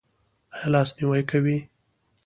ایا لاس نیوی کوئ؟